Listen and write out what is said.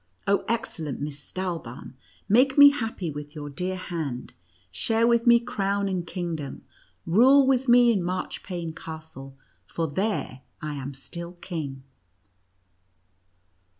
Oh, excellent Miss Stahl bauni, make me happy with your dear hand; share with me crown and kingdom ; rule with me in Marchpane Castle, for there I am still king